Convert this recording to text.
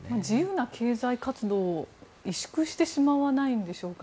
自由な経済活動は委縮してしまわないんでしょうか。